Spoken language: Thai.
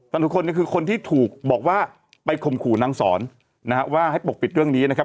แต่ทุกคนก็คือคนที่ถูกบอกว่าไปข่มขู่นางสอนนะฮะว่าให้ปกปิดเรื่องนี้นะครับ